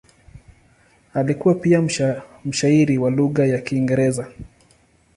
Alikuwa pia mshairi wa lugha ya Kiingereza.